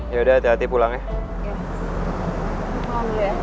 ya udah hati hati pulangnya